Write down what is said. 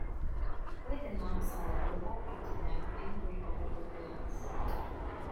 Wade and Max, however, walk up to them, angry over their loss.